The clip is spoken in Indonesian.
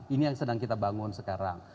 ini yang sedang kita bangun sekarang